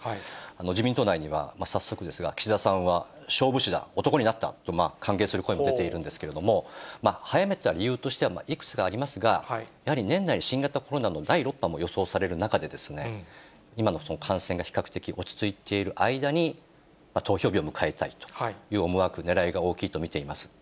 自民党内には、早速ですが、岸田さんは勝負師だ、男になったと歓迎する声も出ているんですけれども、早めた理由としてはいくつかありますが、やはり年内に新型コロナの第６波も予想される中で、今の感染が比較的落ち着いている間に、投票日を迎えたいという思惑、ねらいが大きいと見ています。